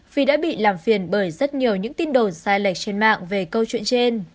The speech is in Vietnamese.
vì đã bị làm phiền bởi rất nhiều những tin đồn sai lệch trên mạng về câu chuyện trên